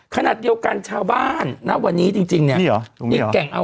ขนาดเดียวกันชาวบ้านณวันนี้จริง